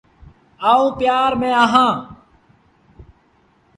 آئوٚݩ پيآر ميݩ اهآݩ ۔